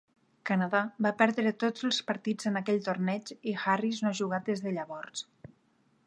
Canadà va perdre tots els partits en aquell torneig i Harris no ha jugat des de llavors.